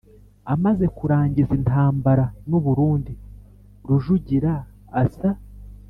Amaze kurangiza intambara n u Burundi Rujugira asa